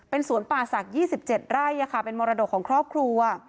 สวนป่าศักดิ์๒๗ไร่เป็นมรดกของครอบครัว